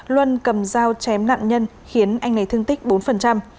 luân cầm dao chém nạn nhân khiến anh này thương tích bốn